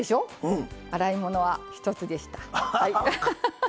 洗い物は１つでした。